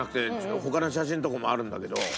他の写真とかもあるんだけど。